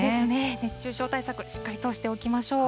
熱中症対策、しっかりとしておきましょう。